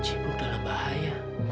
cipu dalam bahaya